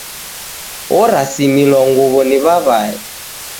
Orasimilwa nguwo ni wawae